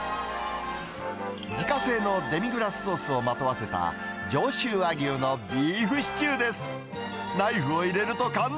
自家製のデミグラスソースをまとわせた上州和牛のビーフシチューです。